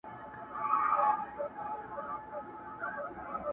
له پردي جنګه یې ساته زما د خاوري ,